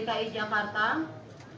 dua partai yang pertama adalah